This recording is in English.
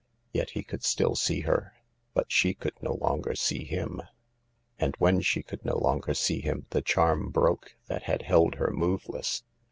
Yet he could still see her, but she could no longer see him. And when she could no longer see him the charm broke that had held her moveless.